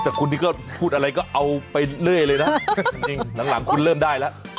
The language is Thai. แต่คุณนี่ก็พูดอะไรก็เอาไปเรื่อยเลยนะจริงหลังคุณเริ่มได้แล้ว